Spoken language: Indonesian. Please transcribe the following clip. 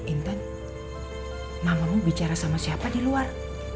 inten mamamu bicara sama siapa di luar